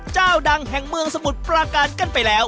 เจ้าดังแห่งเมืองสมุทรปราการกันไปแล้ว